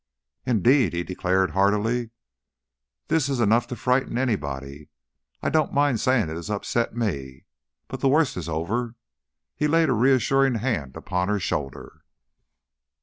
"Indeed!" he declared, heartily. "This is enough to frighten anybody. I don't mind saying it has upset me. But the worst is over." He laid a reassuring hand upon her shoulder.